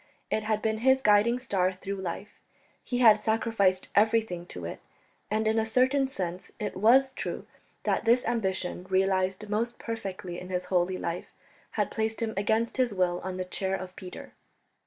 It had been his guiding star through life; he had sacrificed everything to it; and in a certain sense it was true that this ambition, realized most perfectly in his holy life, had placed him against his will on the chair of Peter.